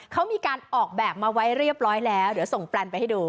เขามีการออกแบบมาไว้เรียบร้อยแล้วเดี๋ยวส่งแปลนไปให้ดู